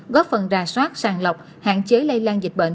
góp phần rà soát sàng lọc hạn chế lây lan dịch bệnh